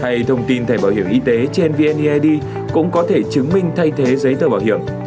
hay thông tin thẻ bảo hiểm y tế trên vneid cũng có thể chứng minh thay thế giấy tờ bảo hiểm